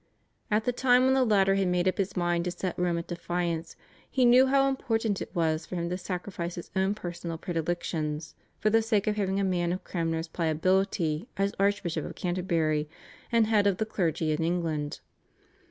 At the time when the latter had made up his mind to set Rome at defiance, he knew how important it was for him to sacrifice his own personal predilections, for the sake of having a man of Cranmer's pliability as Archbishop of Canterbury, and head of the clergy in England.